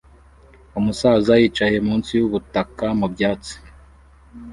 Umusaza yicaye munsi yumutaka mubyatsi